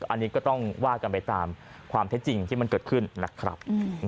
อันนี้ก็ต้องว่ากันไปตามความเท็จจริงที่มันเกิดขึ้นนะครับ